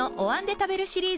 「お椀で食べるシリーズ」